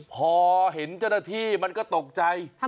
พอเห็นเจ้าหน้าที่มันก็ตกใจ